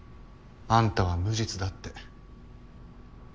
あんたは無実だって。